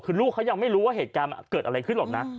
คือลูกเขายังไม่รู้ว่าเหตุการณ์มันเกิดอะไรขึ้นหรอกนะ